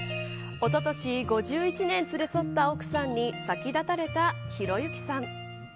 おととし、５１年連れ添った奥さんに先立たれたヒロユキさん。